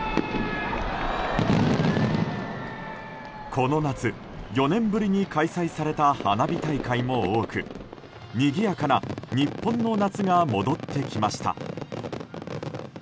この夏、４年ぶりに開催された花火大会も多くにぎやかな日本の夏が戻ってきました。